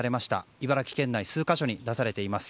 茨城県内の数か所に出されています。